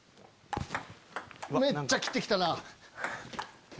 めっちゃ切って来たな。